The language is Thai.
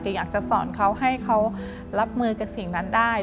อยากจะสอนเขาให้เขารับมือกับสิ่งนั้นได้